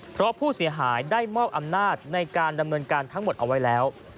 เพราะผู้เสียหายได้มอบอำนาจในการดำเนินการทั้งหมดเอาไว้แล้ว